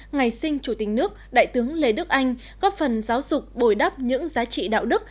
ngày sinh chủ tịch nước đại tướng lê đức anh góp phần giáo dục bồi đắp những giá trị đạo đức